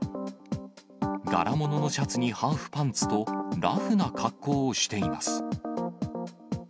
柄物のシャツにハーフパンツと、ラフな格好をしています。